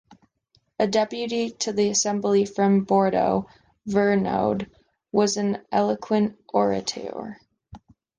A deputy to the Assembly from Bordeaux, Vergniaud was an eloquent orator.